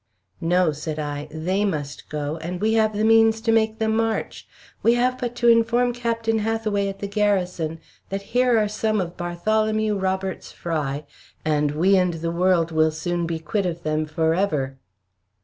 "No," said I, "they must go, and we have the means to make them march. We have but to inform Captain Hathaway at the Garrison that here are some of Bartholomew Robert's fry, and we and the world will soon be quit of them for ever."